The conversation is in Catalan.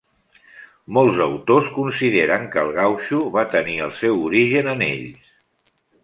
Molts autors consideren que el gautxo va tenir el seu origen en ells.